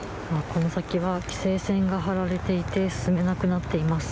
この先は規制線が張られていて、進めなくなっています。